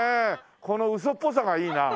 このウソっぽさがいいな。